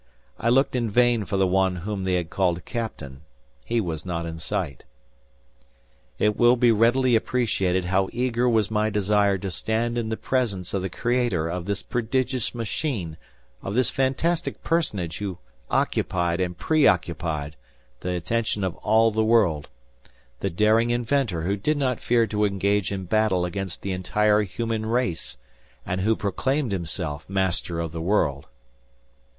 I looked in vain for the one whom they had called Captain. He was not in sight. It will be readily appreciated how eager was my desire to stand in the presence of the creator of these prodigious machines of this fantastic personage who occupied and preoccupied the attention of all the world, the daring inventor who did not fear to engage in battle against the entire human race, and who proclaimed himself "Master of the World."